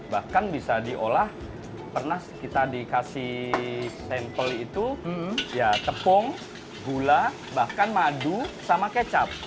bahkan bisa diolah pernah kita dikasih sampel itu ya tepung gula bahkan madu sama kecap